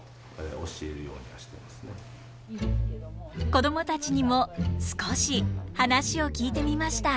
子供たちにも少し話を聞いてみました。